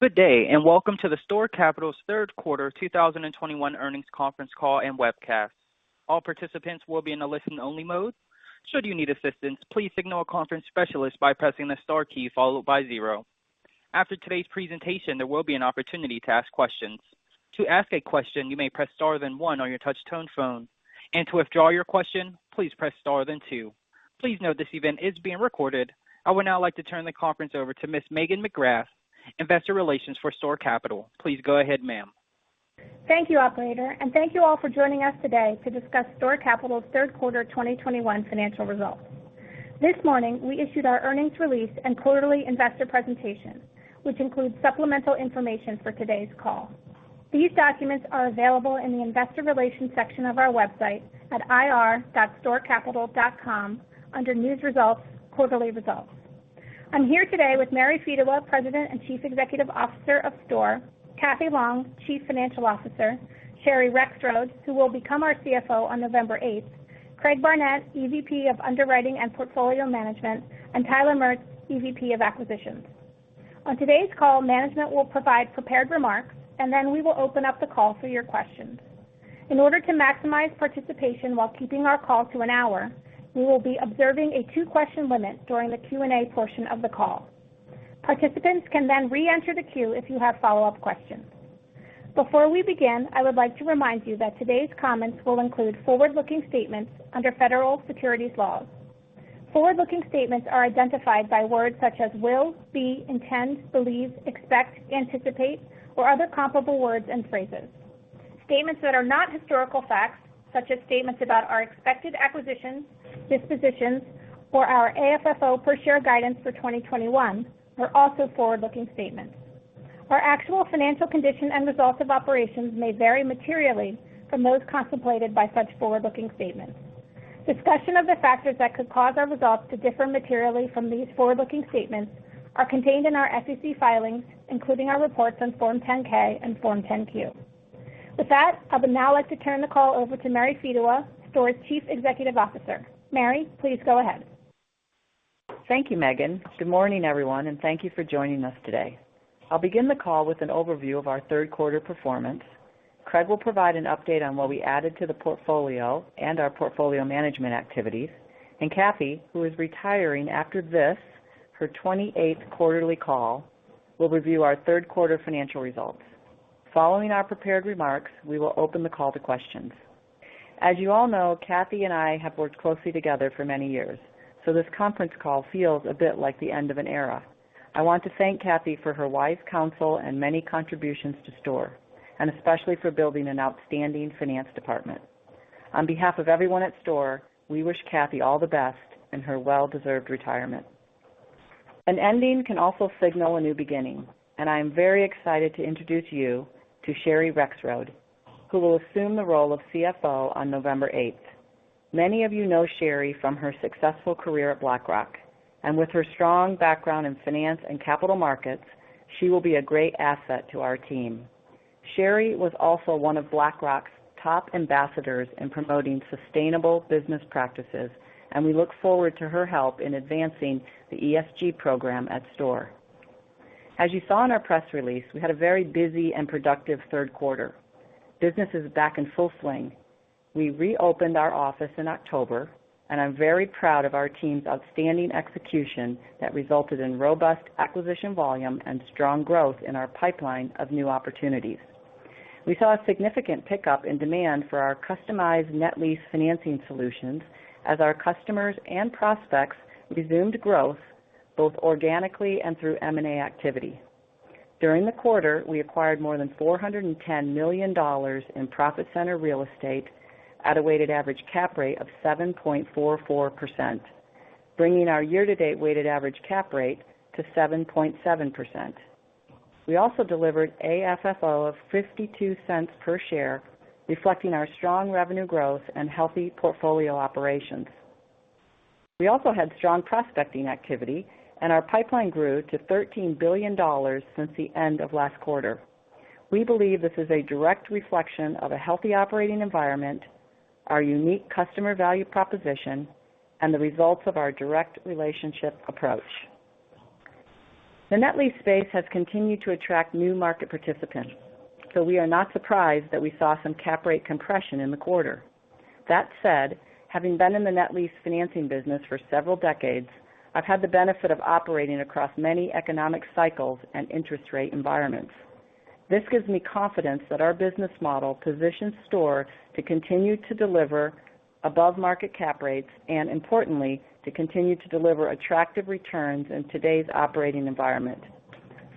Good day, and welcome to the STORE Capital's third quarter 2021 earnings conference call and webcast. All participants will be in a listen-only mode. Should you need assistance, please signal a conference specialist by pressing the Star key followed by zero. After today's presentation, there will be an opportunity to ask questions. To ask a question, you may press Star then one on your touchtone phone, and to withdraw your question, please press Star then two. Please note this event is being recorded. I would now like to turn the conference over to Ms. Megan McGrath, Investor Relations for STORE Capital. Please go ahead, ma'am. Thank you, operator, and thank you all for joining us today to discuss STORE Capital's third quarter 2021 financial results. This morning, we issued our earnings release and quarterly investor presentation, which includes supplemental information for today's call. These documents are available in the investor relations section of our website at ir.storecapital.com under News Results, Quarterly Results. I'm here today with Mary Fedewa, President and Chief Executive Officer of STORE, Catherine Long, Chief Financial Officer, Sherry Rexroad, who will become our CFO on November eighth, Craig Barnett, EVP of Underwriting and Portfolio Management, and Tyler Maertz, EVP of Acquisitions. On today's call, management will provide prepared remarks, and then we will open up the call for your questions. In order to maximize participation while keeping our call to an hour, we will be observing a two-question limit during the Q&A portion of the call. Participants can then reenter the queue if you have follow-up questions. Before we begin, I would like to remind you that today's comments will include forward-looking statements under federal securities laws. Forward-looking statements are identified by words such as will, be, intend, believe, expect, anticipate, or other comparable words and phrases. Statements that are not historical facts, such as statements about our expected acquisitions, dispositions, or our AFFO per share guidance for 2021, are also forward-looking statements. Our actual financial condition and results of operations may vary materially from those contemplated by such forward-looking statements. Discussion of the factors that could cause our results to differ materially from these forward-looking statements are contained in our SEC filings, including our reports on Form 10-K and Form 10-Q. With that, I would now like to turn the call over to Mary Fedewa, STORE's Chief Executive Officer. Mary, please go ahead. Thank you, Megan. Good morning, everyone, and thank you for joining us today. I'll begin the call with an overview of our third quarter performance. Craig will provide an update on what we added to the portfolio and our portfolio management activities. Cathy, who is retiring after this, her twenty-eighth quarterly call, will review our third quarter financial results. Following our prepared remarks, we will open the call to questions. As you all know, Cathy and I have worked closely together for many years, so this conference call feels a bit like the end of an era. I want to thank Cathy for her wise counsel and many contributions to STORE, and especially for building an outstanding finance department. On behalf of everyone at STORE, we wish Cathy all the best in her well-deserved retirement. An ending can also signal a new beginning, and I am very excited to introduce you to Sherry Rexroad, who will assume the role of CFO on November 8. Many of you know Sherry from her successful career at BlackRock, and with her strong background in finance and capital markets, she will be a great asset to our team. Sherry was also one of BlackRock's top ambassadors in promoting sustainable business practices, and we look forward to her help in advancing the ESG program at STORE. As you saw in our press release, we had a very busy and productive third quarter. Business is back in full swing. We reopened our office in October, and I'm very proud of our team's outstanding execution that resulted in robust acquisition volume and strong growth in our pipeline of new opportunities. We saw a significant pickup in demand for our customized net lease financing solutions as our customers and prospects resumed growth, both organically and through M&A activity. During the quarter, we acquired more than $410 million in profit center real estate at a weighted average cap rate of 7.44%, bringing our year-to-date weighted average cap rate to 7.7%. We also delivered AFFO of $0.52 per share, reflecting our strong revenue growth and healthy portfolio operations. We also had strong prospecting activity, and our pipeline grew to $13 billion since the end of last quarter. We believe this is a direct reflection of a healthy operating environment, our unique customer value proposition, and the results of our direct relationship approach. The net lease space has continued to attract new market participants, so we are not surprised that we saw some cap rate compression in the quarter. That said, having been in the net lease financing business for several decades, I've had the benefit of operating across many economic cycles and interest rate environments. This gives me confidence that our business model positions STORE to continue to deliver above-market cap rates and, importantly, to continue to deliver attractive returns in today's operating environment.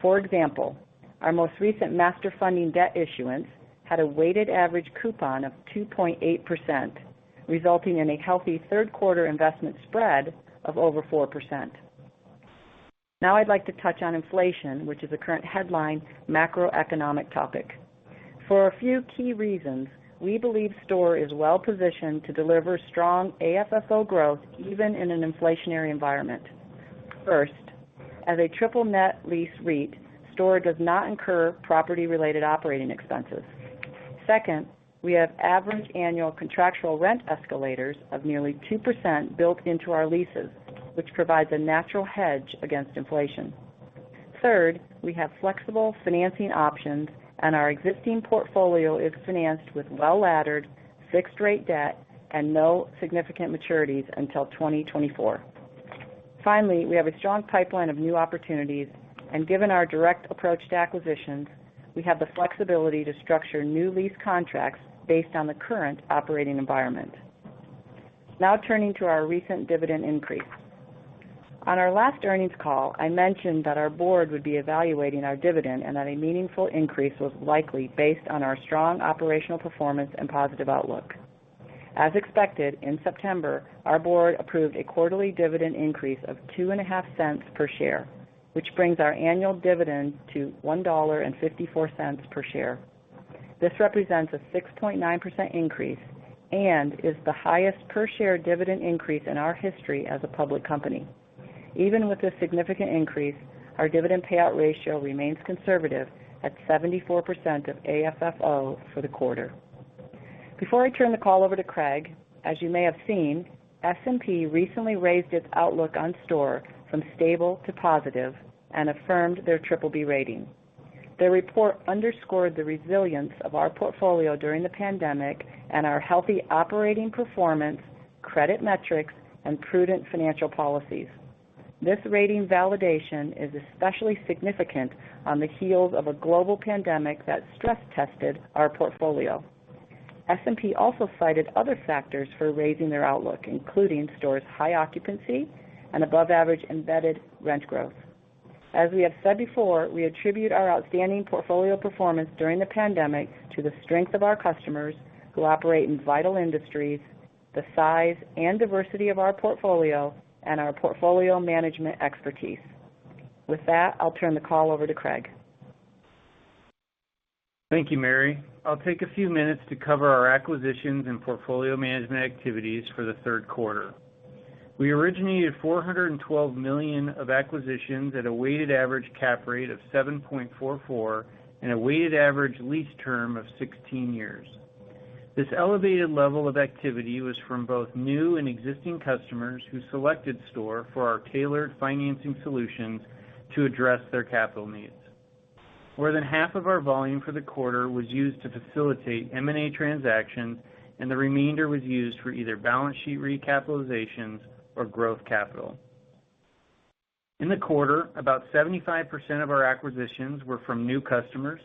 For example, our most recent Master Funding debt issuance had a weighted average coupon of 2.8%, resulting in a healthy third quarter investment spread of over 4%. Now I'd like to touch on inflation, which is a current headline macroeconomic topic. For a few key reasons, we believe STORE is well positioned to deliver strong AFFO growth even in an inflationary environment. First, as a triple net lease REIT, STORE does not incur property-related operating expenses. Second, we have average annual contractual rent escalators of nearly 2% built into our leases, which provides a natural hedge against inflation. Third, we have flexible financing options, and our existing portfolio is financed with well-laddered fixed-rate debt and no significant maturities until 2024. Finally, we have a strong pipeline of new opportunities, and given our direct approach to acquisitions, we have the flexibility to structure new lease contracts based on the current operating environment. Now turning to our recent dividend increase. On our last earnings call, I mentioned that our board would be evaluating our dividend and that a meaningful increase was likely based on our strong operational performance and positive outlook. As expected, in September, our board approved a quarterly dividend increase of 2.5 cents per share, which brings our annual dividend to $1.54 per share. This represents a 6.9% increase and is the highest per share dividend increase in our history as a public company. Even with this significant increase, our dividend payout ratio remains conservative at 74% of AFFO for the quarter. Before I turn the call over to Craig, as you may have seen, S&P recently raised its outlook on STORE from stable to positive and affirmed their BBB rating. Their report underscored the resilience of our portfolio during the pandemic and our healthy operating performance, credit metrics, and prudent financial policies. This rating validation is especially significant on the heels of a global pandemic that stress-tested our portfolio. S&P also cited other factors for raising their outlook, including STORE's high occupancy and above-average embedded rent growth. As we have said before, we attribute our outstanding portfolio performance during the pandemic to the strength of our customers who operate in vital industries, the size and diversity of our portfolio, and our portfolio management expertise. With that, I'll turn the call over to Craig. Thank you, Mary. I'll take a few minutes to cover our acquisitions and portfolio management activities for the third quarter. We originated $412 million of acquisitions at a weighted average cap rate of 7.44% and a weighted average lease term of 16 years. This elevated level of activity was from both new and existing customers who selected STORE for our tailored financing solutions to address their capital needs. More than half of our volume for the quarter was used to facilitate M&A transactions, and the remainder was used for either balance sheet recapitalizations or growth capital. In the quarter, about 75% of our acquisitions were from new customers,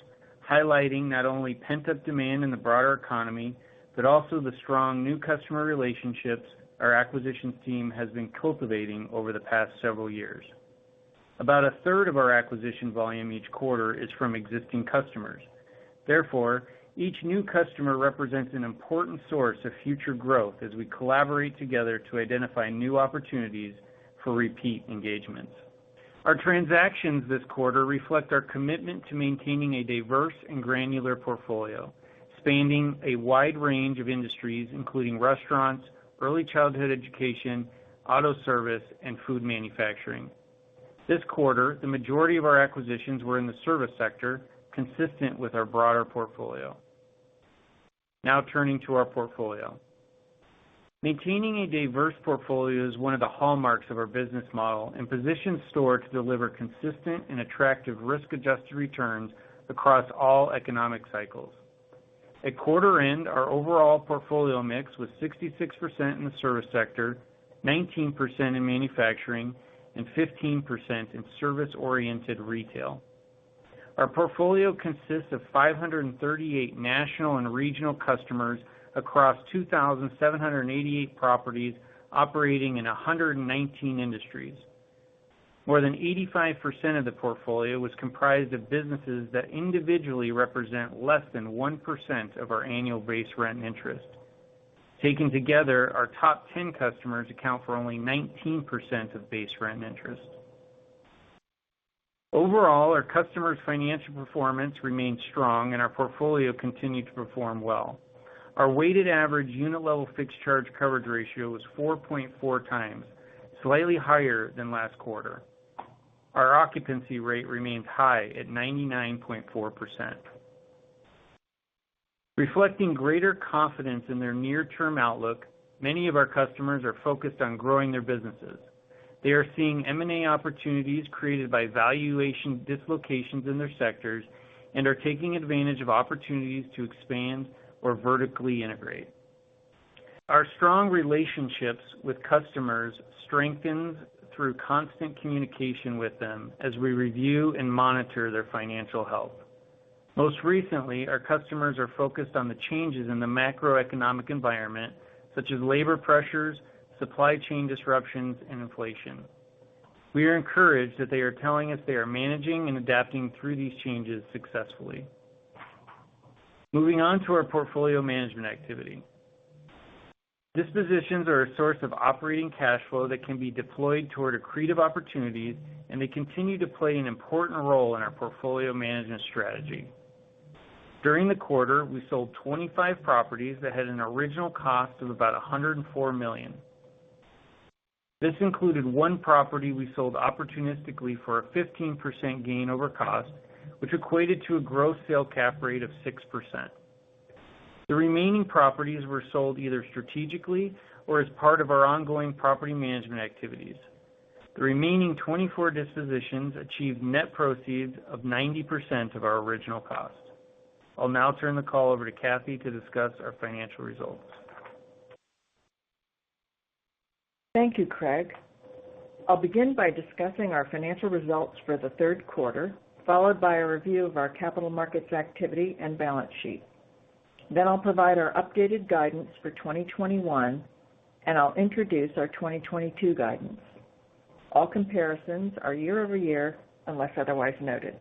highlighting not only pent-up demand in the broader economy, but also the strong new customer relationships our acquisitions team has been cultivating over the past several years. About a third of our acquisition volume each quarter is from existing customers. Therefore, each new customer represents an important source of future growth as we collaborate together to identify new opportunities for repeat engagements. Our transactions this quarter reflect our commitment to maintaining a diverse and granular portfolio, spanning a wide range of industries, including restaurants, early childhood education, auto service, and food manufacturing. This quarter, the majority of our acquisitions were in the service sector, consistent with our broader portfolio. Now turning to our portfolio. Maintaining a diverse portfolio is one of the hallmarks of our business model and positions STORE to deliver consistent and attractive risk-adjusted returns across all economic cycles. At quarter end, our overall portfolio mix was 66% in the service sector, 19% in manufacturing, and 15% in service-oriented retail. Our portfolio consists of 538 national and regional customers across 2,788 properties operating in 119 industries. More than 85% of the portfolio was comprised of businesses that individually represent less than 1% of our annual base rent income. Taken together, our top 10 customers account for only 19% of base rent income. Overall, our customers' financial performance remains strong, and our portfolio continued to perform well. Our weighted average unit level fixed charge coverage ratio was 4.4 times, slightly higher than last quarter. Our occupancy rate remains high at 99.4%. Reflecting greater confidence in their near-term outlook, many of our customers are focused on growing their businesses. They are seeing M&A opportunities created by valuation dislocations in their sectors and are taking advantage of opportunities to expand or vertically integrate. Our strong relationships with customers strengthens through constant communication with them as we review and monitor their financial health. Most recently, our customers are focused on the changes in the macroeconomic environment, such as labor pressures, supply chain disruptions, and inflation. We are encouraged that they are telling us they are managing and adapting through these changes successfully. Moving on to our portfolio management activity. Dispositions are a source of operating cash flow that can be deployed toward accretive opportunities, and they continue to play an important role in our portfolio management strategy. During the quarter, we sold 25 properties that had an original cost of about $104 million. This included one property we sold opportunistically for a 15% gain over cost, which equated to a gross sale cap rate of 6%. The remaining properties were sold either strategically or as part of our ongoing property management activities. The remaining 24 dispositions achieved net proceeds of 90% of our original cost. I'll now turn the call over to Cathy to discuss our financial results. Thank you, Craig. I'll begin by discussing our financial results for the third quarter, followed by a review of our capital markets activity and balance sheet. I'll provide our updated guidance for 2021, and I'll introduce our 2022 guidance. All comparisons are year-over-year, unless otherwise noted.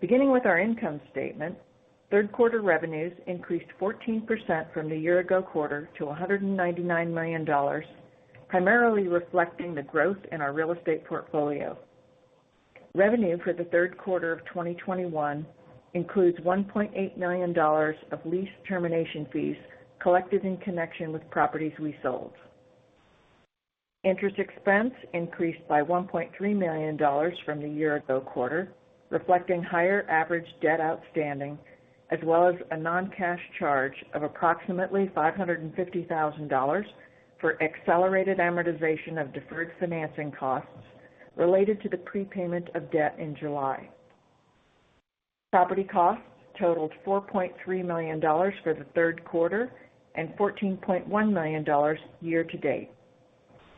Beginning with our income statement, third quarter revenues increased 14% from the year ago quarter to $199 million, primarily reflecting the growth in our real estate portfolio. Revenue for the third quarter of 2021 includes $1.8 million of lease termination fees collected in connection with properties we sold. Interest expense increased by $1.3 million from the year ago quarter, reflecting higher average debt outstanding, as well as a non-cash charge of approximately $550,000 for accelerated amortization of deferred financing costs related to the prepayment of debt in July. Property costs totaled $4.3 million for the third quarter and $14.1 million year to date.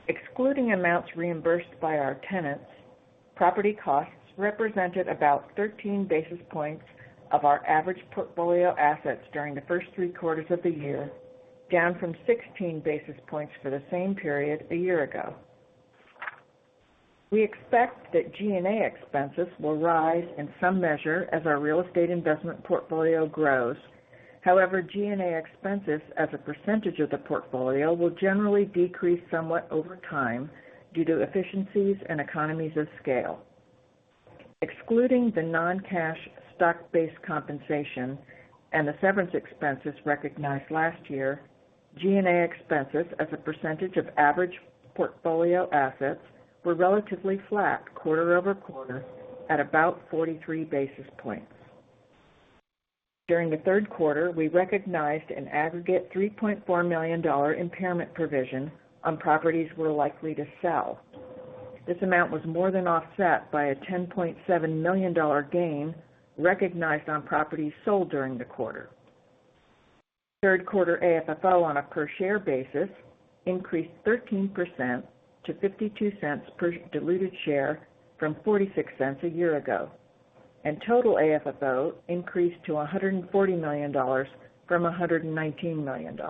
Excluding amounts reimbursed by our tenants, property costs represented about 13 basis points of our average portfolio assets during the first three quarters of the year, down from 16 basis points for the same period a year ago. We expect that G&A expenses will rise in some measure as our real estate investment portfolio grows. However, G&A expenses as a percentage of the portfolio will generally decrease somewhat over time due to efficiencies and economies of scale. Excluding the non-cash stock-based compensation and the severance expenses recognized last year, G&A expenses as a percentage of average portfolio assets were relatively flat quarter-over-quarter at about 43 basis points. During the third quarter, we recognized an aggregate $3.4 million impairment provision on properties we're likely to sell. This amount was more than offset by a $10.7 million gain recognized on properties sold during the quarter. third quarter AFFO on a per share basis increased 13% to $0.52 per diluted share from $0.46 a year ago, and total AFFO increased to $140 million from $119 million.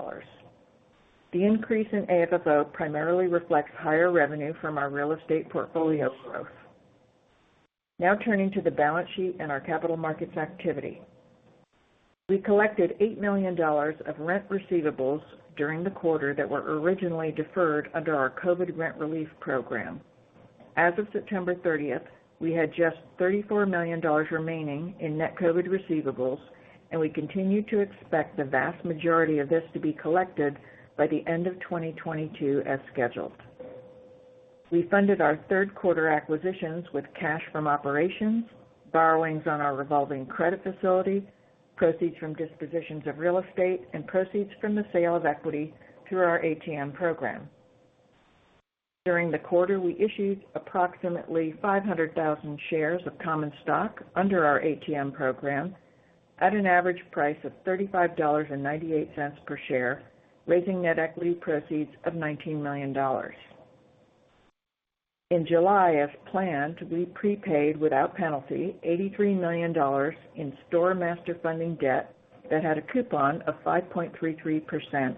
The increase in AFFO primarily reflects higher revenue from our real estate portfolio growth. Now turning to the balance sheet and our capital markets activity. We collected $8 million of rent receivables during the quarter that were originally deferred under our COVID Rent Relief program. As of September 30, we had just $34 million remaining in net COVID receivables, and we continue to expect the vast majority of this to be collected by the end of 2022 as scheduled. We funded our third quarter acquisitions with cash from operations, borrowings on our revolving credit facility, proceeds from dispositions of real estate, and proceeds from the sale of equity through our ATM program. During the quarter, we issued approximately 500,000 shares of common stock under our ATM program at an average price of $35.98 per share, raising net equity proceeds of $19 million. In July, as planned, we prepaid without penalty $83 million in STORE Master Funding debt that had a coupon of 5.33%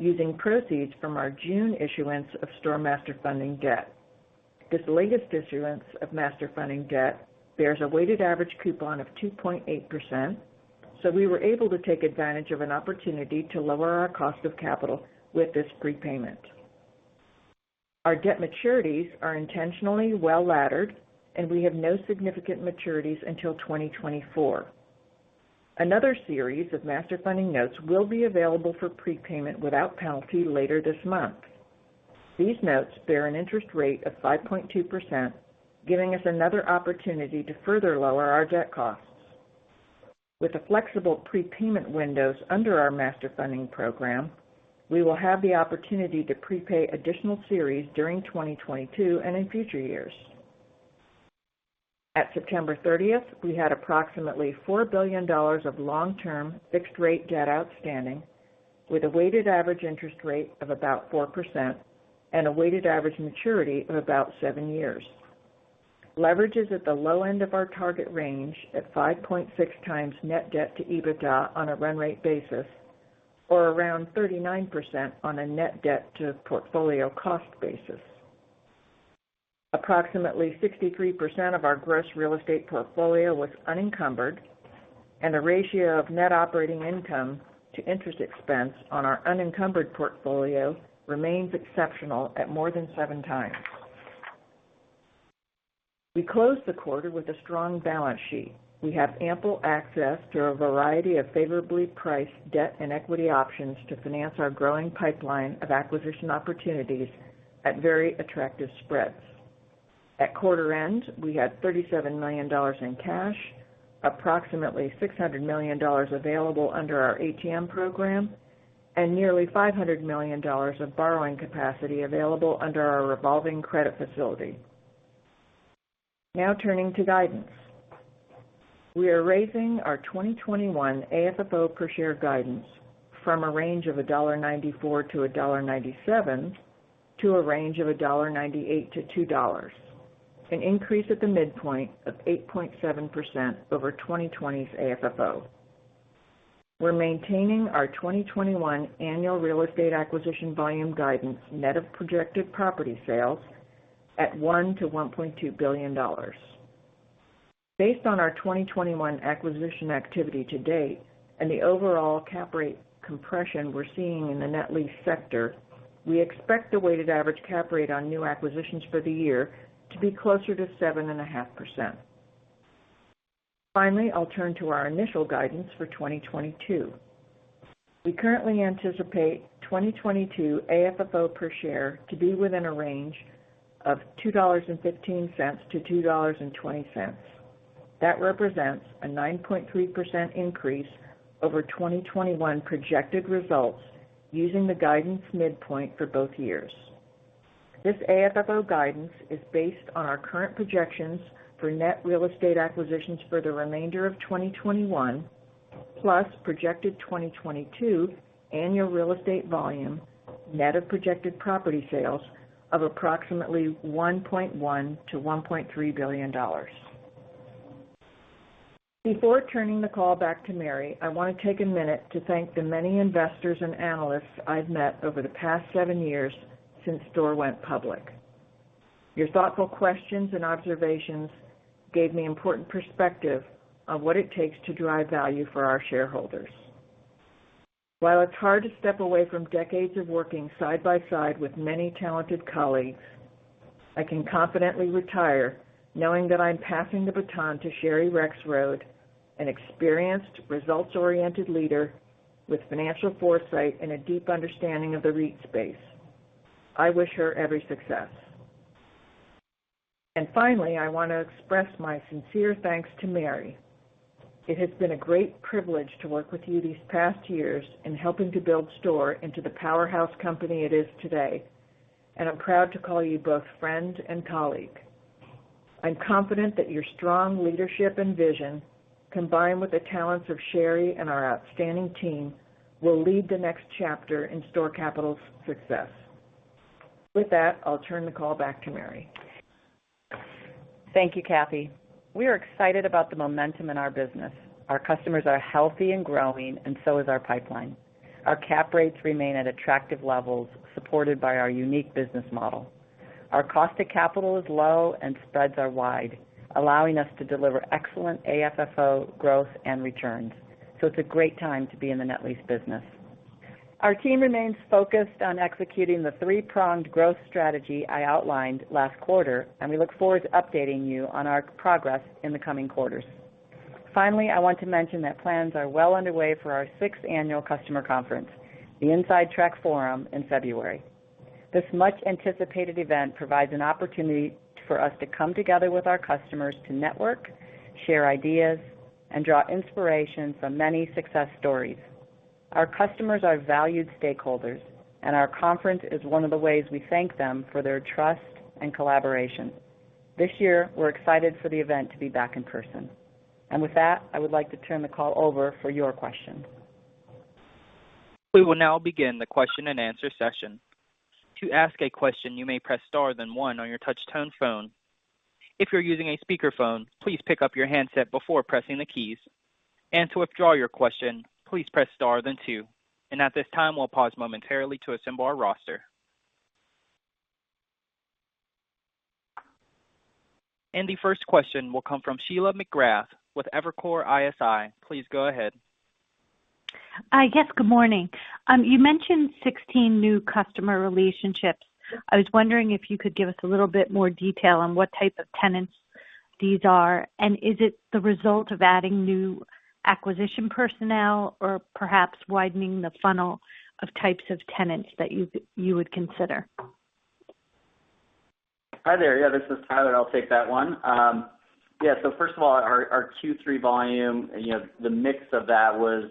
using proceeds from our June issuance of STORE Master Funding debt. This latest issuance of Master Funding debt bears a weighted average coupon of 2.8%, so we were able to take advantage of an opportunity to lower our cost of capital with this prepayment. Our debt maturities are intentionally well-laddered, and we have no significant maturities until 2024. Another series of Master Funding notes will be available for prepayment without penalty later this month. These notes bear an interest rate of 5.2%, giving us another opportunity to further lower our debt costs. With the flexible prepayment windows under our Master Funding program, we will have the opportunity to prepay additional series during 2022 and in future years. At September 30, we had approximately $4 billion of long-term fixed rate debt outstanding with a weighted average interest rate of about 4% and a weighted average maturity of about 7 years. Leverage is at the low end of our target range at 5.6x net debt to EBITDA on a run rate basis or around 39% on a net debt to portfolio cost basis. Approximately 63% of our gross real estate portfolio was unencumbered, and a ratio of net operating income to interest expense on our unencumbered portfolio remains exceptional at more than 7x. We closed the quarter with a strong balance sheet. We have ample access to a variety of favorably priced debt and equity options to finance our growing pipeline of acquisition opportunities at very attractive spreads. At quarter end, we had $37 million in cash, approximately $600 million available under our ATM program, and nearly $500 million of borrowing capacity available under our revolving credit facility. Now turning to guidance. We are raising our 2021 AFFO per share guidance from a range of $1.94-$1.97 to a range of $1.98-$2.00, an increase at the midpoint of 8.7% over 2020's AFFO. We're maintaining our 2021 annual real estate acquisition volume guidance net of projected property sales at $1 billion-$1.2 billion. Based on our 2021 acquisition activity to date and the overall cap rate compression we're seeing in the net lease sector, we expect the weighted average cap rate on new acquisitions for the year to be closer to 7.5%. Finally, I'll turn to our initial guidance for 2022. We currently anticipate 2022 AFFO per share to be within a range of $2.15-$2.20. That represents a 9.3% increase over 2021 projected results using the guidance midpoint for both years. This AFFO guidance is based on our current projections for net real estate acquisitions for the remainder of 2021, plus projected 2022 annual real estate volume net of projected property sales of approximately $1.1 billion-$1.3 billion. Before turning the call back to Mary, I want to take a minute to thank the many investors and analysts I've met over the past seven years since STORE went public. Your thoughtful questions and observations gave me important perspective on what it takes to drive value for our shareholders. While it's hard to step away from decades of working side by side with many talented colleagues, I can confidently retire knowing that I'm passing the baton to Sherry Rexroad, an experienced, results-oriented leader with financial foresight and a deep understanding of the REIT space. I wish her every success. Finally, I want to express my sincere thanks to Mary. It has been a great privilege to work with you these past years in helping to build STORE into the powerhouse company it is today, and I'm proud to call you both friend and colleague. I'm confident that your strong leadership and vision, combined with the talents of Sherry and our outstanding team, will lead the next chapter in STORE Capital's success. With that, I'll turn the call back to Mary. Thank you, Cathy. We are excited about the momentum in our business. Our customers are healthy and growing, and so is our pipeline. Our cap rates remain at attractive levels, supported by our unique business model. Our cost of capital is low, and spreads are wide, allowing us to deliver excellent AFFO growth and returns. It's a great time to be in the net lease business. Our team remains focused on executing the three-pronged growth strategy I outlined last quarter, and we look forward to updating you on our progress in the coming quarters. Finally, I want to mention that plans are well underway for our sixth annual customer conference, the Inside Track Forum, in February. This much-anticipated event provides an opportunity for us to come together with our customers to network, share ideas, and draw inspiration from many success stories. Our customers are valued stakeholders, and our conference is one of the ways we thank them for their trust and collaboration. This year, we're excited for the event to be back in person. With that, I would like to turn the call over for your questions. We will now begin the question-and-answer session. To ask a question, you may press Star then one on your touch-tone phone. If you're using a speakerphone, please pick up your handset before pressing the keys. To withdraw your question, please press Star then two. At this time, we'll pause momentarily to assemble our roster. The first question will come from Sheila McGrath with Evercore ISI. Please go ahead. Hi. Yes, good morning. You mentioned 16 new customer relationships. I was wondering if you could give us a little bit more detail on what type of tenants these are, and is it the result of adding new acquisition personnel or perhaps widening the funnel of types of tenants that you would consider? Hi there. Yeah, this is Tyler. I'll take that one. First of all, our Q3 volume and, you know, the mix of that was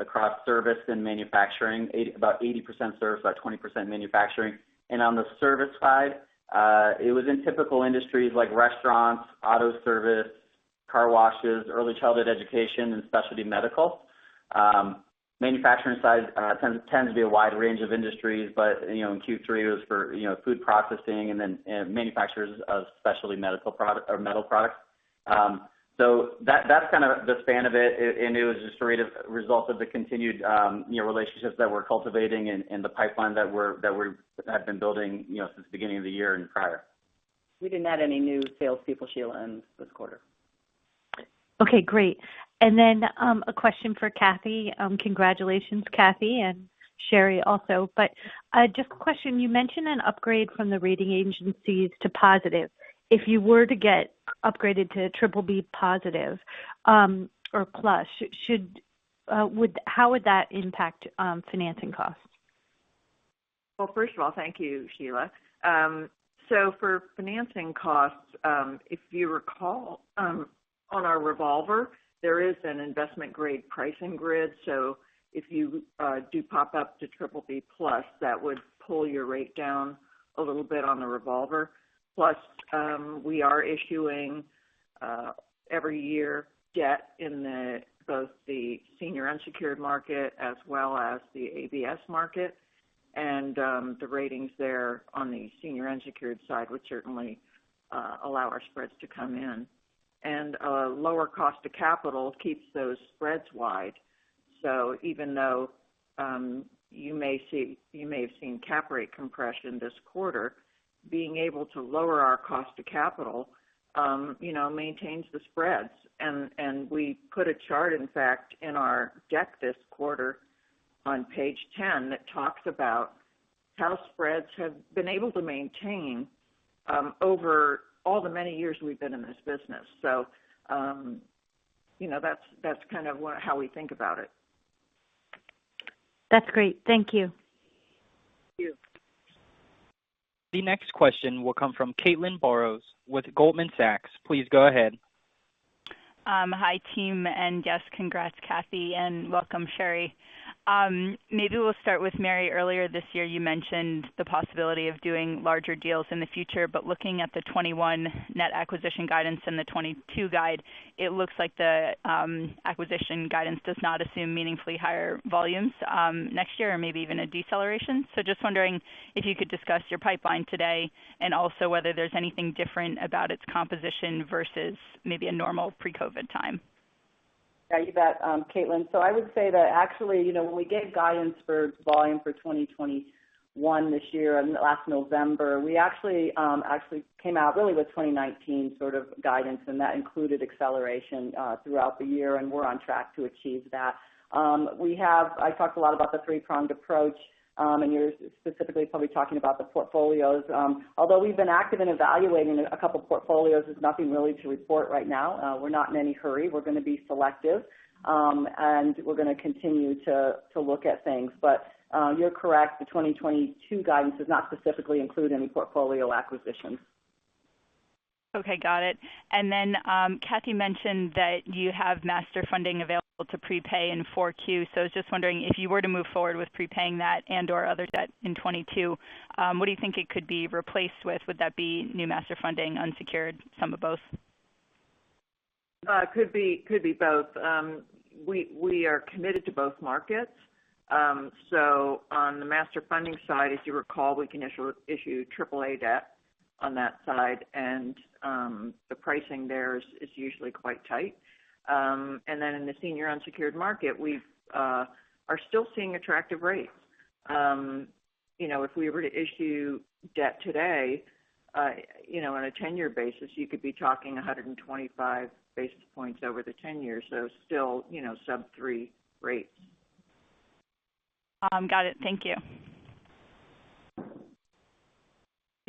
across service and manufacturing, about 80% service, about 20% manufacturing. On the service side, it was in typical industries like restaurants, auto service, car washes, early childhood education, and specialty medical. Manufacturing side tends to be a wide range of industries, but, you know, in Q3, it was, you know, food processing and then manufacturers of specialty medical product or metal products. So, that's kind of the span of it, and it was just a result of the continued, you know, relationships that we're cultivating and the pipeline that we're have been building, you know, since the beginning of the year and prior. We didn't add any new salespeople, Sheila, in this quarter. Okay, great. A question for Cathy. Congratulations, Cathy and Sherry also. Just a question. You mentioned an upgrade from the rating agencies to positive. If you were to get upgraded to BBB+, or plus, how would that impact financing costs? Well, first of all, thank you, Sheila. For financing costs, if you recall, on our revolver, there is an investment grade pricing grid. If you do pop up to BBB+, that would pull your rate down a little bit on the revolver. Plus, we are issuing every year, debt in both the senior unsecured market as well as the ABS market. The ratings there on the senior unsecured side would certainly allow our spreads to come in. A lower cost to capital keeps those spreads wide. Even though you may have seen cap rate compression this quarter, being able to lower our cost to capital, you know, maintains the spreads. We put a chart, in fact, in our deck this quarter on Page 10 that talks about how spreads have been able to maintain over all the many years we've been in this business. You know, that's kind of how we think about it. That's great. Thank you. Thank you. The next question will come from Caitlin Burrows with Goldman Sachs. Please go ahead. Hi, team. Yes, congrats, Cathy, and welcome, Sherri. Maybe we'll start with Mary. Earlier this year, you mentioned the possibility of doing larger deals in the future. Looking at the 2021 net acquisition guidance and the 2022 guide, it looks like the acquisition guidance does not assume meaningfully higher volumes next year or maybe even a deceleration. Just wondering if you could discuss your pipeline today and also whether there's anything different about its composition versus maybe a normal pre-COVID time. Yeah, you bet, Caitlin. I would say that actually, you know, when we gave guidance for volume for 2021 this year and last November, we actually came out really with 2019 sort of guidance, and that included acceleration throughout the year, and we're on track to achieve that. I talked a lot about the three-pronged approach, and you're specifically probably talking about the portfolios. Although we've been active in evaluating a couple portfolios, there's nothing really to report right now. We're not in any hurry. We're gonna be selective. We're gonna continue to look at things. You're correct. The 2022 guidance does not specifically include any portfolio acquisitions. Okay, got it. Cathy mentioned that you have Master Funding available to prepay in Q4. I was just wondering if you were to move forward with prepaying that and/or other debt in 2022, what do you think it could be replaced with? Would that be new Master Funding, unsecured, some of both? Could be both. We are committed to both markets. On the Master Funding side, as you recall, we can issue AAA debt on that side. The pricing there is usually quite tight. In the senior unsecured market, we are still seeing attractive rates. You know, if we were to issue debt today, you know, on a 10-year basis, you could be talking 125 basis points over the 10 years. Still, you know, sub-three rates. Got it. Thank you.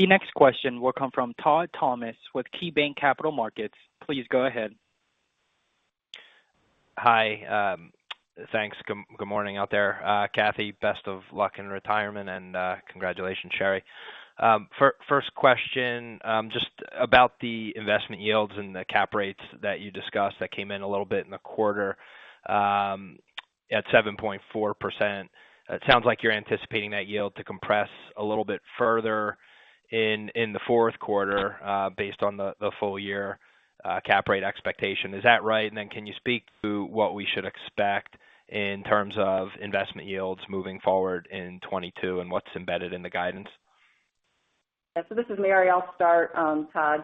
The next question will come from Todd Thomas with KeyBanc Capital Markets. Please go ahead. Hi. Thanks. Good morning out there. Cathy, best of luck in retirement, and congratulations, Sherri. First question, just about the investment yields and the cap rates that you discussed that came in a little bit in the quarter, at 7.4%. It sounds like you're anticipating that yield to compress a little bit further in the fourth quarter, based on the full year cap rate expectation. Is that right? And then can you speak to what we should expect in terms of investment yields moving forward in 2022 and what's embedded in the guidance? Yeah. This is Mary. I'll start, Todd.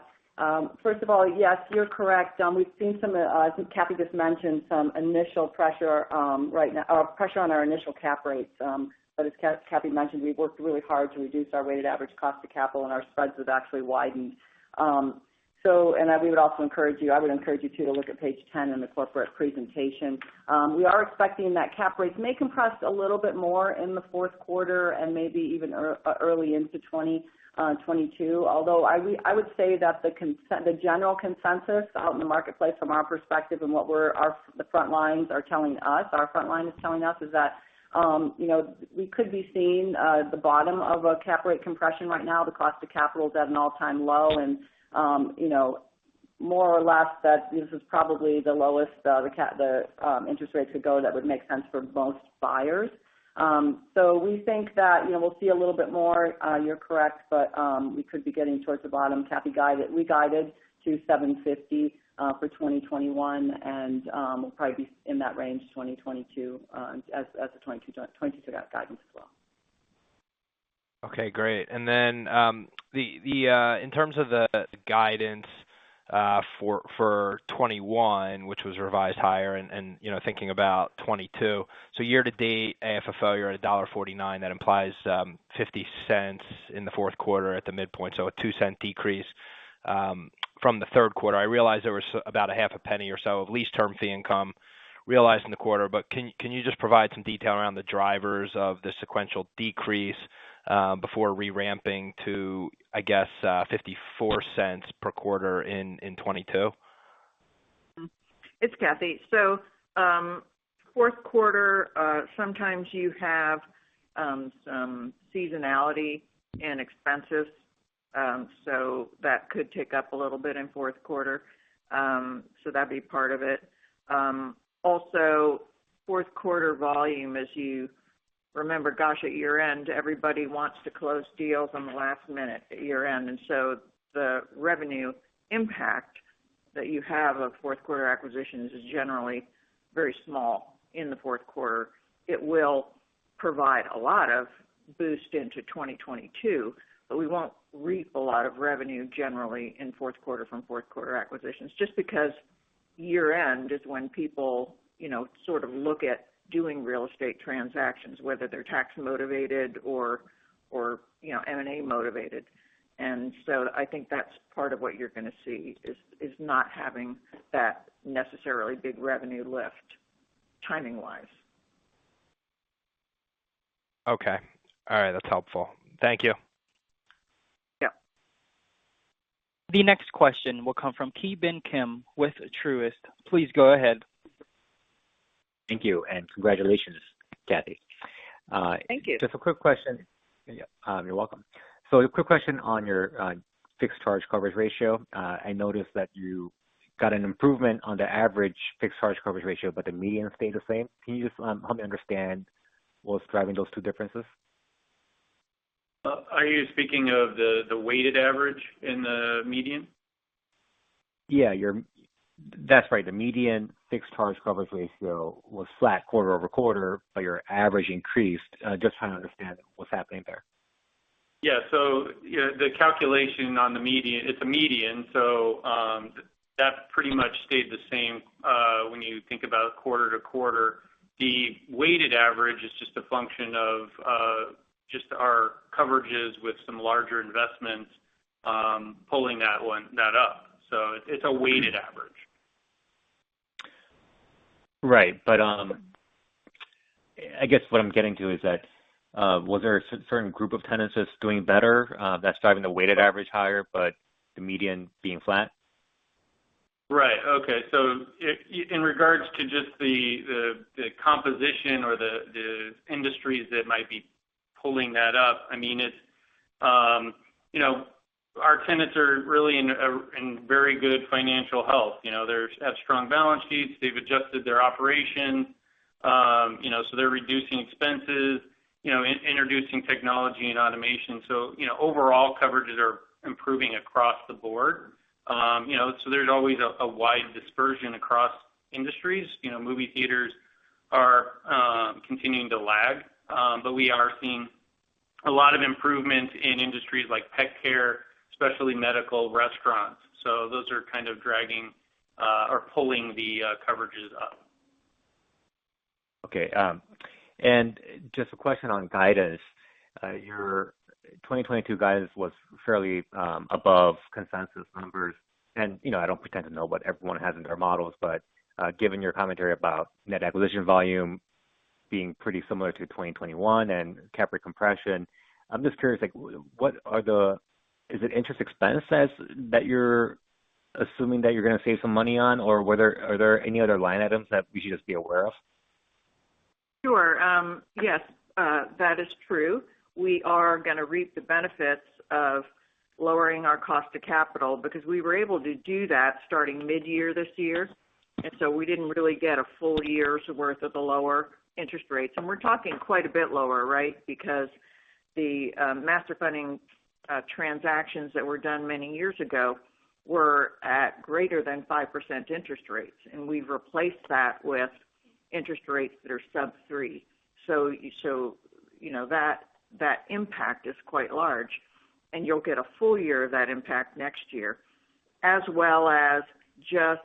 First of all, yes, you're correct. We've seen some, as Cathy just mentioned, some initial pressure right now on our initial cap rates. But as Cathy mentioned, we've worked really hard to reduce our weighted average cost of capital and our spreads have actually widened. I would encourage you too to look at Page 10 in the corporate presentation. We are expecting that cap rates may compress a little bit more in the fourth quarter and maybe even early into 2022. Although I would say that the general consensus out in the marketplace from our perspective and what the front lines are telling us is that, you know, we could be seeing the bottom of a cap rate compression right now. The cost of capital is at an all-time low. You know, more or less that this is probably the lowest the interest rate could go that would make sense for most buyers. We think that, you know, we'll see a little bit more, you're correct. We could be getting towards the bottom. We guided to $7.50 for 2021, and we'll probably be in that range 2022, as the 2022 guidance as well. Okay, great. Then in terms of the guidance for 2021, which was revised higher and you know thinking about 2022. Year to date, AFFO, you're at $1.49. That implies $0.50 in the fourth quarter at the midpoint, so a $0.02 decrease. From the third quarter, I realized there was about $0.005 or so of lease termination fee income realized in the quarter. Can you just provide some detail around the drivers of the sequential decrease before reramping to, I guess, $0.54 per quarter in 2022? It's Cathy. Fourth quarter sometimes you have some seasonality in expenses, so that could tick up a little bit in fourth quarter. That'd be part of it. Also fourth quarter volume, as you remember, gosh, at year-end, everybody wants to close deals on the last minute at year-end. The revenue impact that you have of fourth quarter acquisitions is generally very small in the fourth quarter. It will provide a lot of boost into 2022, but we won't reap a lot of revenue generally in fourth quarter from fourth-quarter acquisitions. Just because year-end is when people, you know, sort of look at doing real estate transactions, whether they're tax-motivated or, you know, M&A motivated. I think that's part of what you're gonna see is not having that necessarily big revenue lift timing-wise. Okay. All right. That's helpful. Thank you. Yeah. The next question will come from Ki Bin Kim with Truist. Please go ahead. Thank you and congratulations, Cathy. Thank you. Just a quick question. Yeah. You're welcome. A quick question on your fixed charge coverage ratio. I noticed that you got an improvement on the average fixed charge coverage ratio, but the median stayed the same. Can you just help me understand what's driving those two differences? Are you speaking of the weighted average and the median? Yeah, that's right. The median fixed charge coverage ratio was flat quarter-over-quarter, but your average increased. Just trying to understand what's happening there. The calculation on the median, it's a median, that pretty much stayed the same when you think about quarter-over-quarter. The weighted average is just a function of just our coverages with some larger investments pulling that up. It's a weighted average. Right. I guess what I'm getting to is that, was there a certain group of tenants that's doing better, that's driving the weighted average higher, but the median being flat? In regards to just the composition or the industries that might be pulling that up, I mean, it's you know, our tenants are really in very good financial health. You know, they have strong balance sheets. They've adjusted their operation. You know, so they're reducing expenses, you know, introducing technology and automation. You know, overall coverages are improving across the board. You know, so there's always a wide dispersion across industries. You know, movie theaters are continuing to lag. But we are seeing a lot of improvements in industries like pet care, specialty medical, restaurants. Those are kind of dragging or pulling the coverages up. Okay. And just a question on guidance. Your 2022 guidance was fairly above consensus numbers. You know, I don't pretend to know what everyone has in their models, but given your commentary about net acquisition volume being pretty similar to 2021 and cap rate compression, I'm just curious, like, what are the— Is it interest expense that's that you're assuming that you're gonna save some money on? Or are there any other line items that we should just be aware of? Sure. Yes, that is true. We are gonna reap the benefits of lowering our cost of capital because we were able to do that starting mid-year this year, and so we didn't really get a full year's worth of the lower interest rates. We're talking quite a bit lower, right? Because the Master Funding transactions that were done many years ago were at greater than 5% interest rates, and we've replaced that with interest rates that are sub-3%. You know, that impact is quite large, and you'll get a full year of that impact next year. As well as just, you know,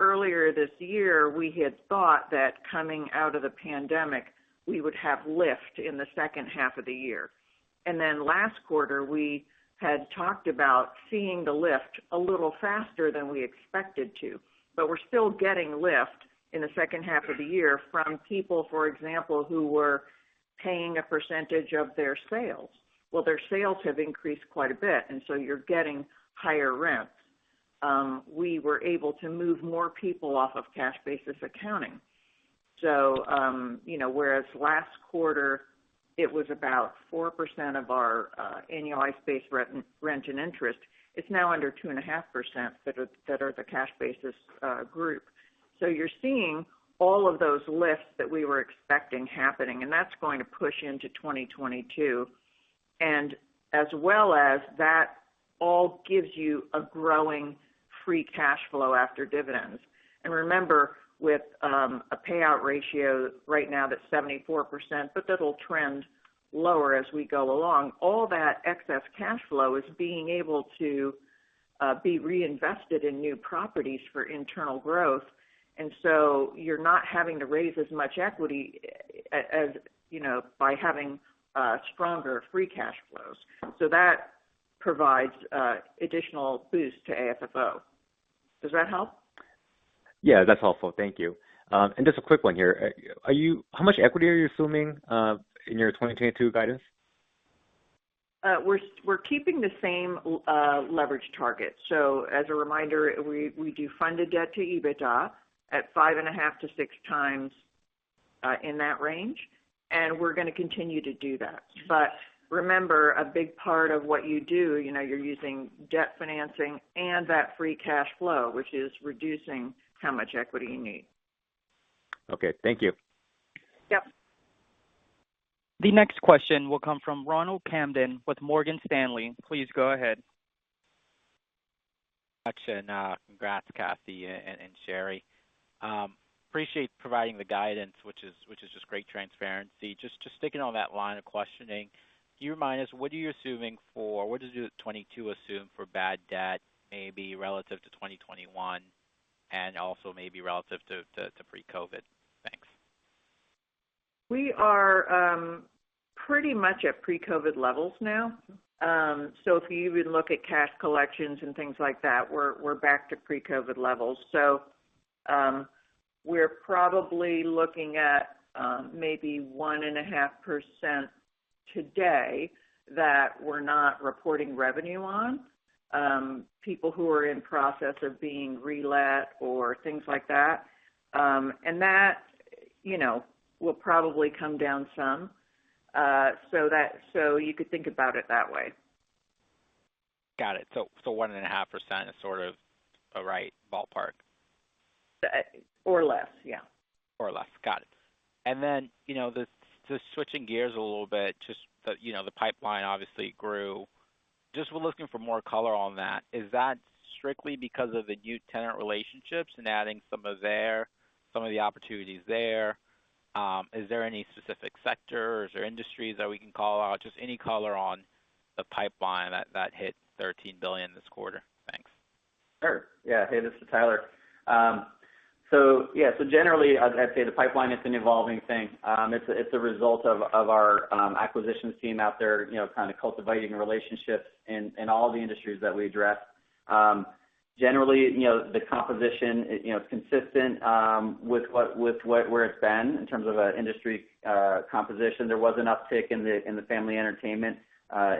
earlier this year, we had thought that coming out of the pandemic, we would have lift in the second half of the year. Then last quarter, we had talked about seeing the lift a little faster than we expected to. We're still getting lift in the second half of the year from people, for example, who were paying a percentage of their sales. Well, their sales have increased quite a bit, and so you're getting higher rents. We were able to move more people off of cash basis accounting. You know, whereas last quarter it was about 4% of our annualized base rent and interest, it's now under 2.5% that are the cash basis group. You're seeing all of those lifts that we were expecting happening, and that's going to push into 2022. As well as that all gives you a growing free cash flow after dividends. Remember, with a payout ratio right now that's 74%, but that'll trend lower as we go along. All that excess cash flow is being able to be reinvested in new properties for internal growth. You're not having to raise as much equity as, you know, by having stronger free cash flows. That provides additional boost to AFFO. Does that help? Yeah, that's helpful. Thank you. Just a quick one here. How much equity are you assuming in your 2022 guidance? We're keeping the same leverage target. As a reminder, we do funded debt to EBITDA at 5.5-6x in that range, and we're gonna continue to do that. Remember, a big part of what you do, you know, you're using debt financing and that free cash flow, which is reducing how much equity you need. Okay, thank you. Yep. The next question will come from Ronald Kamdem with Morgan Stanley. Please go ahead. Got you. Congrats Cathy and Sherry. Appreciate providing the guidance which is just great transparency. Just sticking on that line of questioning. Can you remind us, what does your 2022 assume for bad debt, maybe relative to 2021 and also maybe relative to pre-COVID? Thanks. We are pretty much at pre-COVID levels now. If you even look at cash collections and things like that, we're back to pre-COVID levels. We're probably looking at maybe 1.5% today that we're not reporting revenue on, people who are in process of being relet or things like that. That, you know, will probably come down some, so that you could think about it that way. Got it. 1.5% is sort of the right ballpark. Less, yeah. Or less. Got it. You know, just switching gears a little bit, just, you know, the pipeline obviously grew. Just we're looking for more color on that. Is that strictly because of the new tenant relationships and adding some of the opportunities there? Is there any specific sectors or industries that we can call out? Just any color on the pipeline that hit $13 billion this quarter. Thanks. Sure. Yeah. Hey, this is Tyler. Generally, as I say, the pipeline is an evolving thing. It's a result of our acquisitions team out there, you know, kind of cultivating relationships in all the industries that we address. Generally, you know, the composition, you know, it's consistent with where it's been in terms of industry composition. There was an uptick in the family entertainment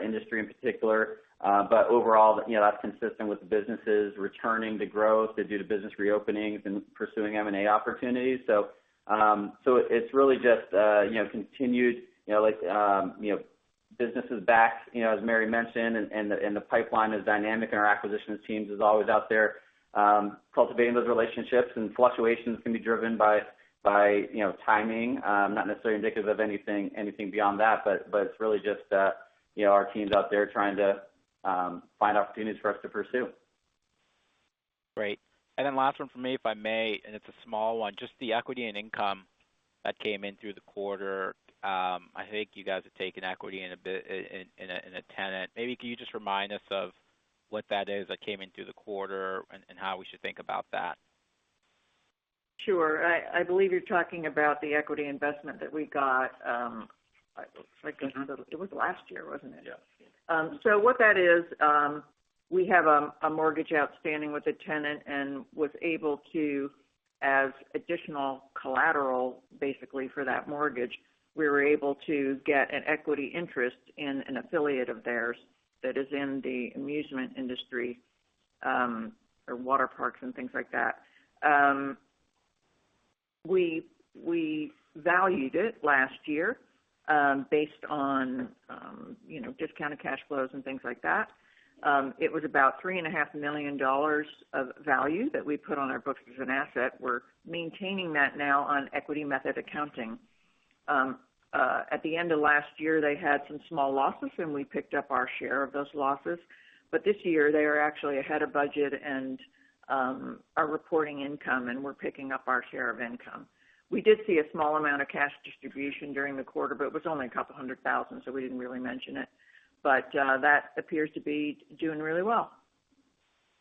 industry in particular. Overall, you know, that's consistent with the businesses returning to growth due to business reopenings and pursuing M&A opportunities. It's really just continued, you know, like, you know, businesses back, you know, as Mary mentioned, and the pipeline is dynamic, and our acquisitions teams is always out there cultivating those relationships. Fluctuations can be driven by, you know, timing, not necessarily indicative of anything beyond that, but it's really just, you know, our teams out there trying to find opportunities for us to pursue. Great. Last one from me, if I may, and it's a small one. Just the equity and income that came in through the quarter. I think you guys have taken equity in a tenant. Maybe can you just remind us of what that is that came in through the quarter and how we should think about that? Sure. I believe you're talking about the equity investment that we got. It was last year, wasn't it? Yeah. What that is, we have a mortgage outstanding with a tenant and was able to, as additional collateral, basically for that mortgage, we were able to get an equity interest in an affiliate of theirs that is in the amusement industry, or water parks and things like that. We valued it last year, based on, you know, discounted cash flows and things like that. It was about $3.5 million of value that we put on our books as an asset. We're maintaining that now on equity method accounting. At the end of last year, they had some small losses, and we picked up our share of those losses. This year, they are actually ahead of budget and are reporting income, and we're picking up our share of income. We did see a small amount of cash distribution during the quarter, but it was only $200,000, so we didn't really mention it. That appears to be doing really well.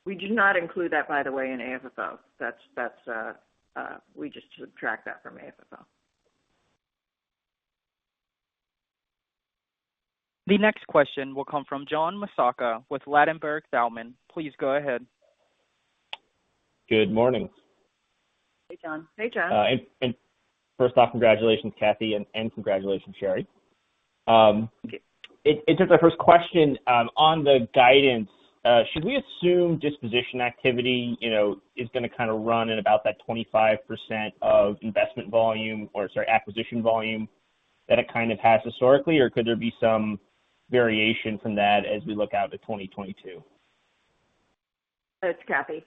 We do not include that, by the way, in AFFO. That's, we just subtract that from AFFO. The next question will come from John Massocca with Ladenburg Thalmann. Please go ahead. Good morning. Hey, John. Hey, John. First off, congratulations, Cathy, and congratulations, Sherry. In terms of my first question, on the guidance, should we assume disposition activity, you know, is gonna kind of run at about that 25% of investment volume or, sorry, acquisition volume that it kind of has historically, or could there be some variation from that as we look out to 2022? It's Cathy.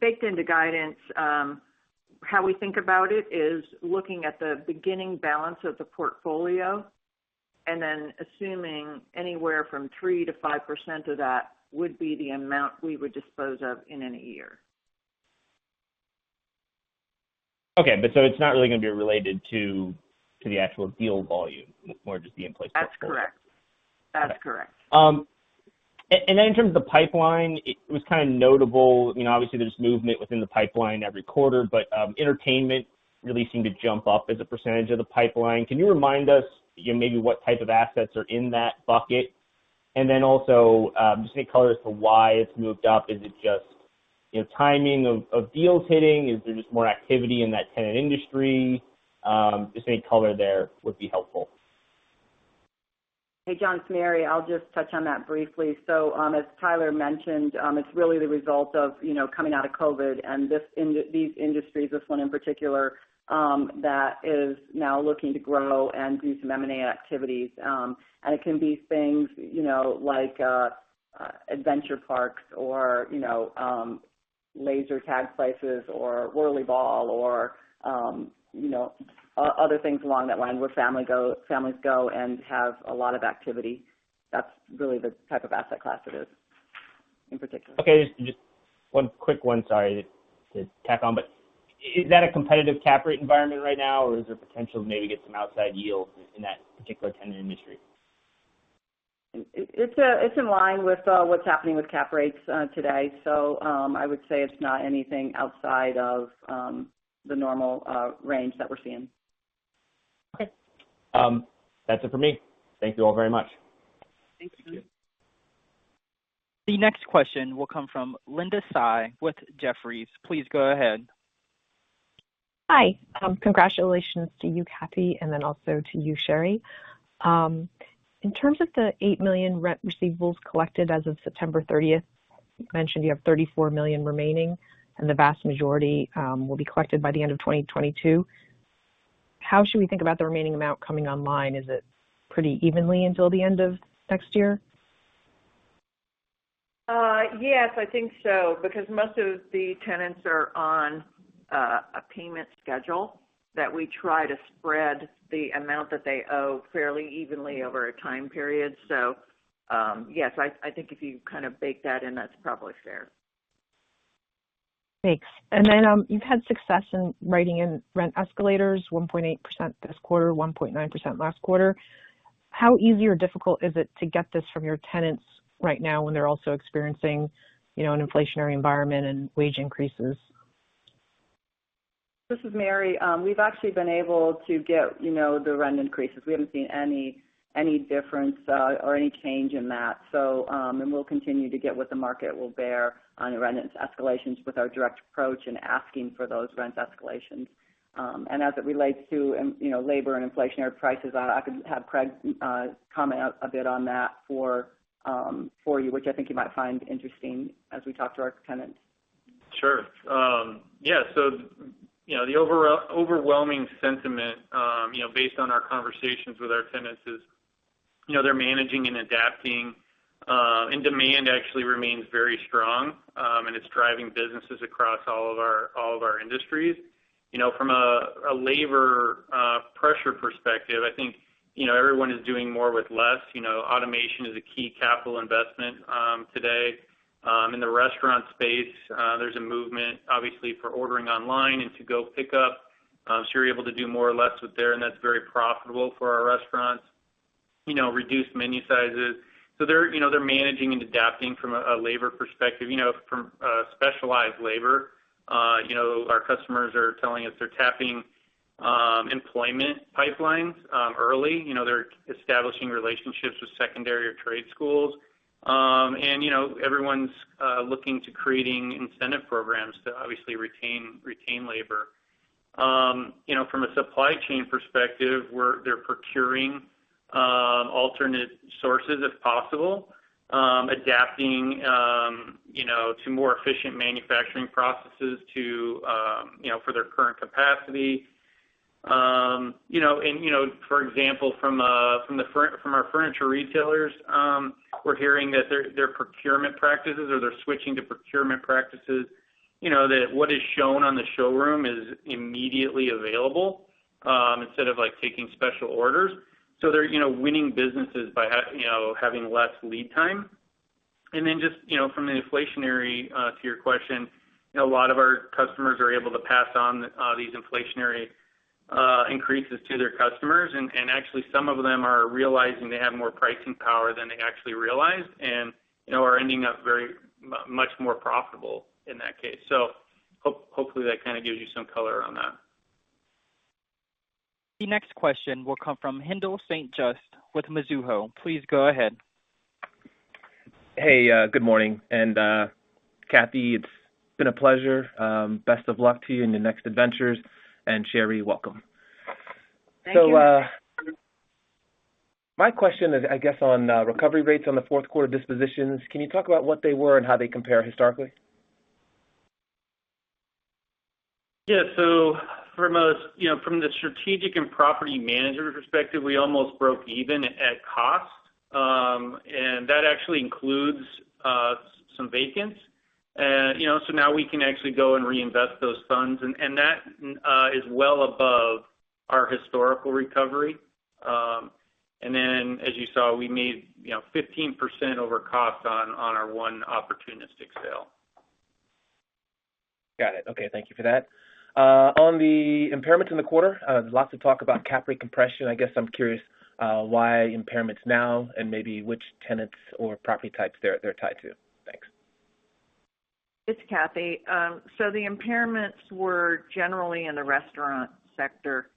Baked into guidance, how we think about it is looking at the beginning balance of the portfolio and then assuming anywhere from 3%-5% of that would be the amount we would dispose of in any year. Okay. It's not really gonna be related to the actual deal volume more just the in place- That's correct. That's correct. In terms of the pipeline, it was kind of notable, you know, obviously there's movement within the pipeline every quarter, but entertainment really seemed to jump up as a percentage of the pipeline. Can you remind us maybe what type of assets are in that bucket? Then also, just any color as to why it's moved up. Is it just, you know, timing of deals hitting? Is there just more activity in that tenant industry? Just any color there would be helpful. Hey, John, it's Mary. I'll just touch on that briefly. As Tyler mentioned, it's really the result of, you know, coming out of COVID and these industries, this one in particular, that is now looking to grow and do some M&A activities. It can be things, you know, like, adventure parks or, you know, laser tag places or whirlyBall or, you know, other things along that line where families go and have a lot of activity. That's really the type of asset class it is in particular. Okay. Just one quick one, sorry to tack on, but is that a competitive cap rate environment right now, or is there potential to maybe get some outside yield in that particular tenant industry? It's in line with what's happening with cap rates today. I would say it's not anything outside of the normal range that we're seeing. Okay. That's it for me. Thank you all very much. Thanks. The next question will come from Linda Tsai with Jefferies. Please go ahead. Hi. Congratulations to you, Cathy, and then also to you, Sherry. In terms of the $8 million rent receivables collected as of September 30, you mentioned you have $34 million remaining, and the vast majority will be collected by the end of 2022. How should we think about the remaining amount coming online? Is it pretty evenly until the end of next year? Yes, I think so, because most of the tenants are on a payment schedule that we try to spread the amount that they owe fairly evenly over a time period. Yes, I think if you kind of bake that in, that's probably fair. Thanks. You've had success in writing in rent escalators 1.8% this quarter, 1.9% last quarter. How easy or difficult is it to get this from your tenants right now when they're also experiencing, you know, an inflationary environment and wage increases? This is Mary. We've actually been able to get, you know, the rent increases. We haven't seen any difference, or any change in that. We'll continue to get what the market will bear on rent escalations with our direct approach in asking for those rent escalations. As it relates to, you know, labor and inflationary prices, I could have Craig comment a bit on that for you, which I think you might find interesting as we talk to our tenants. Sure. Yeah, you know, the overwhelming sentiment, you know, based on our conversations with our tenants is, you know, they're managing and adapting, and demand actually remains very strong, and it's driving businesses across all of our industries. You know, from a labor pressure perspective, I think, you know, everyone is doing more with less. You know, automation is a key capital investment today. In the restaurant space, there's a movement obviously for ordering online and to-go pickup. You're able to do more with less there, and that's very profitable for our restaurants. You know, reduced menu sizes, so they're managing and adapting from a labor perspective. You know, from specialized labor, you know, our customers are telling us they're tapping employment pipelines early. You know, they're establishing relationships with secondary or trade schools. You know, everyone's looking to creating incentive programs to obviously retain labor. You know, from a supply chain perspective, they're procuring alternate sources, if possible, adapting, you know, to more efficient manufacturing processes to, you know, for their current capacity. You know, for example, from our furniture retailers, we're hearing that their procurement practices or they're switching to procurement practices, you know, that what is shown on the showroom is immediately available, instead of, like, taking special orders. They're, you know, winning businesses by having less lead time. Just, you know, from the inflationary to your question, you know, a lot of our customers are able to pass on these inflationary increases to their customers. Actually some of them are realizing they have more pricing power than they actually realized and, you know, are ending up very much more profitable in that case. Hopefully, that kind of gives you some color on that. The next question will come from Haendel St. Juste with Mizuho. Please go ahead. Hey. Good morning. Cathy, it's been a pleasure. Best of luck to you in your next adventures. Sherry, welcome. Thank you. My question is, I guess, on recovery rates on the fourth quarter dispositions. Can you talk about what they were and how they compare historically? From you know, from the strategic and property manager perspective, we almost broke even at cost. That actually includes some vacants. You know, now we can actually go and reinvest those funds. That is well above Our historical recovery. Then as you saw, we made, you know, 15% over cost on our one opportunistic sale. Got it. Okay, thank you for that. On the impairments in the quarter, there's lots of talk about cap rate compression. I guess I'm curious, why impairments now and maybe which tenants or property types they're tied to. Thanks. It's Cathy. The impairments were generally in the restaurant sector,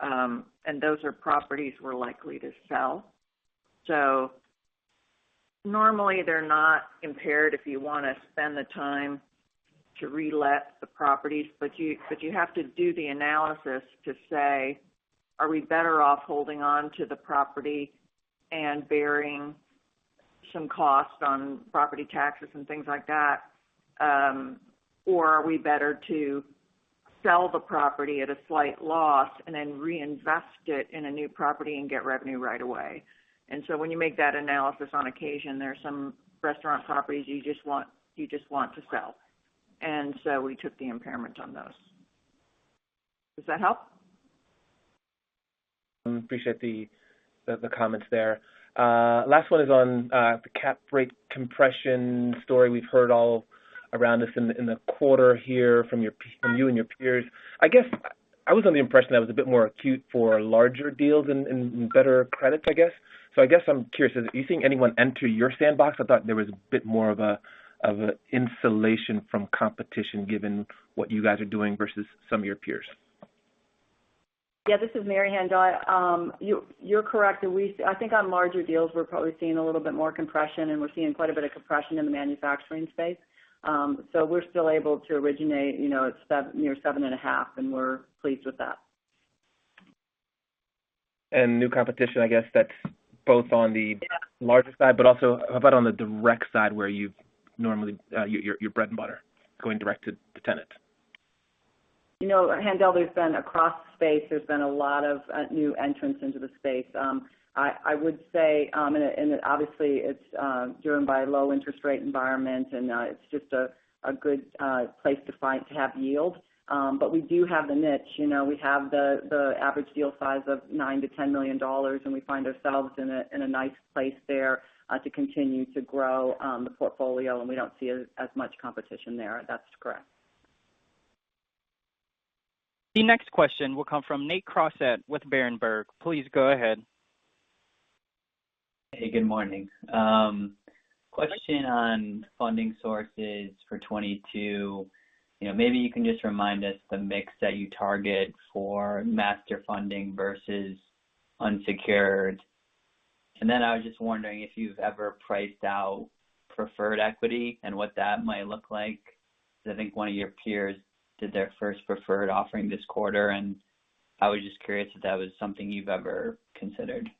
and those are properties we're likely to sell. Normally they're not impaired if you wanna spend the time to relet the properties. But you have to do the analysis to say, "Are we better off holding on to the property and bearing some costs on property taxes and things like that? Or are we better to sell the property at a slight loss and then reinvest it in a new property and get revenue right away?" When you make that analysis on occasion, there are some restaurant properties you just want to sell. We took the impairment on those. Does that help? I appreciate the comments there. Last one is on the cap rate compression story we've heard all around us in the quarter here from you and your peers. I guess I was under the impression that was a bit more acute for larger deals and better credits, I guess. I guess I'm curious, are you seeing anyone enter your sandbox? I thought there was a bit more of a insulation from competition, given what you guys are doing versus some of your peers. Yeah, this is Mary Fedewa. You're correct. I think on larger deals, we're probably seeing a little bit more compression, and we're seeing quite a bit of compression in the manufacturing space. We're still able to originate, you know, at near 7.5, and we're pleased with that. New competition, I guess that's both on the. Yeah. larger side, but also how about on the direct side where you've normally, your bread and butter going direct to the tenant? You know, Haendel, there's been a lot of new entrants into the space. I would say, and obviously it's driven by low interest rate environment, and it's just a good place to find, to have yield. But we do have the niche. You know, we have the average deal size of $9 million-$10 million, and we find ourselves in a nice place there to continue to grow the portfolio, and we don't see as much competition there. That's correct. The next question will come from Nate Crossett with Berenberg. Please go ahead. Hey, good morning. Question on funding sources for 2022. You know, maybe you can just remind us the mix that you target for Master Funding versus unsecured. And then I was just wondering if you've ever priced out preferred equity and what that might look like. Because I think one of your peers did their first preferred offering this quarter, and I was just curious if that was something you've ever considered.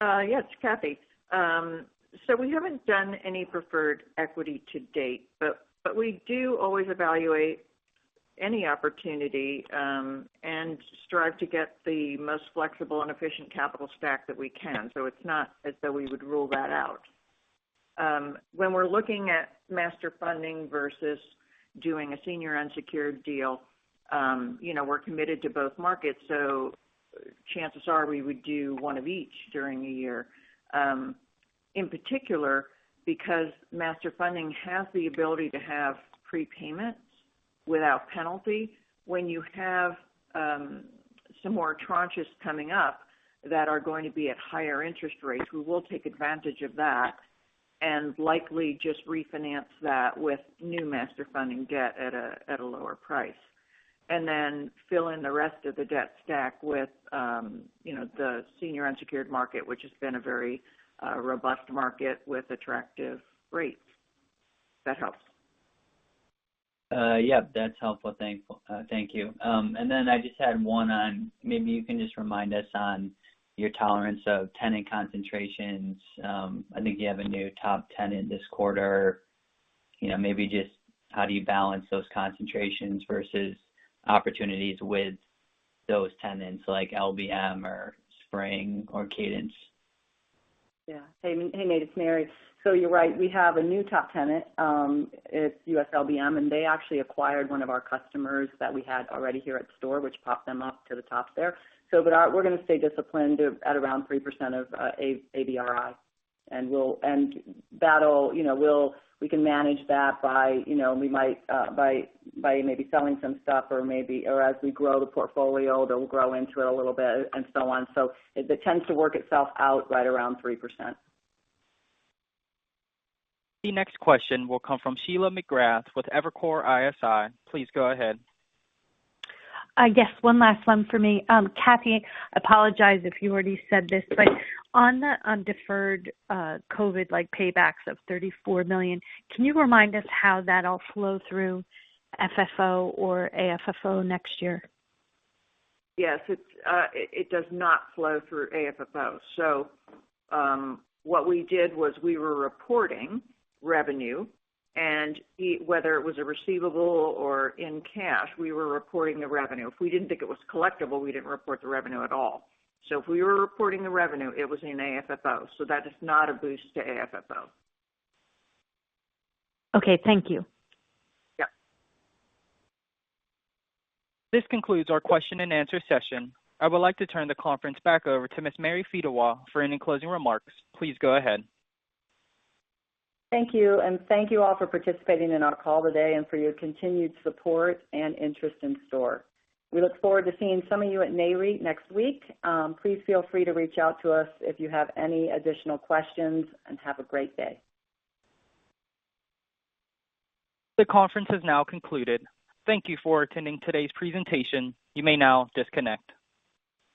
Yeah, it's Cathy. We haven't done any preferred equity to date, but we do always evaluate any opportunity, and strive to get the most flexible and efficient capital stack that we can. It's not as though we would rule that out. When we're looking at Master Funding versus doing a senior unsecured deal, you know, we're committed to both markets, chances are we would do one of each during a year. In particular, because Master Funding has the ability to have prepayments without penalty. When you have some more tranches coming up that are going to be at higher interest rates, we will take advantage of that and likely just refinance that with new Master Funding debt at a lower price. Then fill in the rest of the debt stack with, you know, the senior unsecured market, which has been a very, robust market with attractive rates. Does that help? Yeah, that's helpful. Thank you. I just had one on maybe you can just remind us on your tolerance of tenant concentrations. I think you have a new top tenant this quarter. Maybe just how do you balance those concentrations versus opportunities with those tenants like LBM or Spring or Cadence? Yeah. Hey, Nate, it's Mary. You're right, we have a new top tenant. It's US LBM, and they actually acquired one of our customers that we had already here at STORE, which popped them up to the top there. We're gonna stay disciplined at around 3% of ABRI. That'll, you know, we can manage that by, you know, we might by maybe selling some stuff or maybe or as we grow the portfolio, they'll grow into it a little bit and so on. It tends to work itself out right around 3%. The next question will come from Sheila McGrath with Evercore ISI. Please go ahead. Yes, one last one for me. Cathy, apologize if you already said this, but on the undeferred COVID, like, paybacks of $34 million, can you remind us how that all flow through FFO or AFFO next year? Yes. It does not flow through AFFO. What we did was we were reporting revenue, and whether it was a receivable or in cash, we were reporting the revenue. If we didn't think it was collectible, we didn't report the revenue at all. If we were reporting the revenue, it was in AFFO. That is not a boost to AFFO. Okay. Thank you. Yeah. This concludes our question and answer session. I would like to turn the conference back over to Ms. Mary Fedewa for any closing remarks. Please go ahead. Thank you. Thank you all for participating in our call today and for your continued support and interest in STORE. We look forward to seeing some of you at Nareit next week. Please feel free to reach out to us if you have any additional questions, and have a great day. The conference has now concluded. Thank you for attending today's presentation. You may now disconnect.